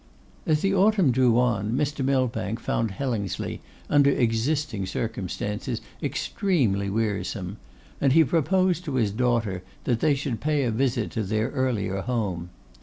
As the autumn drew on, Mr. Millbank found Hellingsley, under existing circumstances, extremely wearisome; and he proposed to his daughter that they should pay a visit to their earlier home.